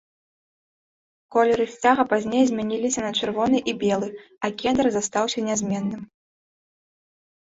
Колеры сцяга пазней змяніліся на чырвоны і белы, а кедр застаўся нязменным.